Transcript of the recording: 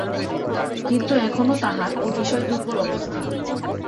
কিন্তু তখনো তাঁহার অতিশয় দুর্বল অবস্থা।